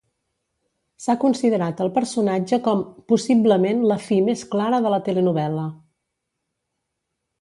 S'ha considerat al personatge com "possiblement la fi més clara de la telenovel·la".